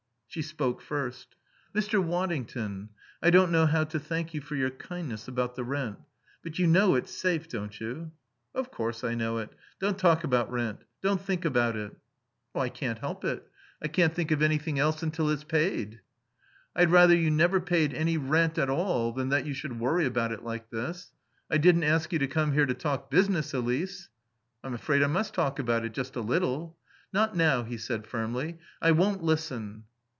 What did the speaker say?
She spoke first. "Mr. Waddington, I don't know how to thank you for your kindness about the rent. But you know it's safe, don't you?" "Of course I know it. Don't talk about rent. Don't think about it." "I can't help it. I can't think of anything else until it's paid." "I'd rather you never paid any rent at all than that you should worry about it like this. I didn't ask you to come here to talk business, Elise." "I'm afraid I must talk it. Just a little." "Not now," he said firmly. "I won't listen."